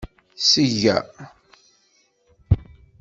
Seg-a.